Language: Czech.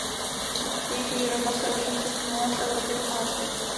Jejich výroba se ovšem přesunula z Evropy do Asie.